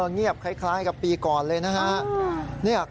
เงียบคล้ายกับปีก่อนเลยนะฮะ